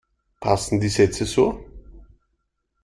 Passen die Sätze so?